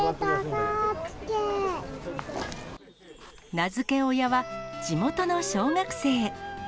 名付け親は地元の小学生。